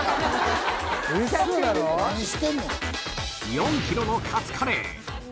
４キロのカツカレー。